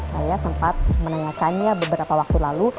saya sempat menanyakannya beberapa waktu lalu